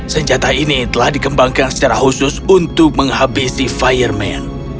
senjata ini telah dikembangkan secara khusus untuk menghabisi fireman